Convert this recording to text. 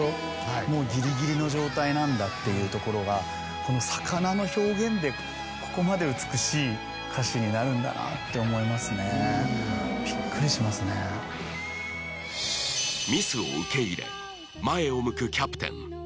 もうギリギリの状態なんだっていうところがこの魚の表現でここまで美しい歌詞になるんだなって思いますねビックリしますねミスを受け入れ前を向くキャプテン